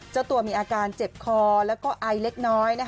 เจ้าตัวมีอาการเจ็บคอแล้วก็ไอเล็กน้อย